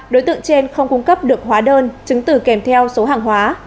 đối tượng trên không cung cấp được hóa đơn chứng từ kèm theo số hàng hóa